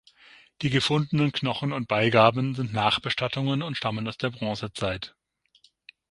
Die gefundenen Knochen und Beigaben sind Nachbestattungen und stammen aus der Bronzezeit.